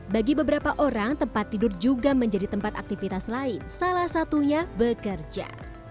bagi beberapa orang tempat tidur juga menjadi tempat aktivitas lain salah satunya bekerja